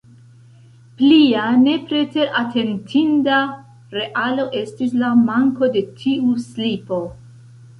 Plia nepreteratentinda realo estis la manko de tiu slipo.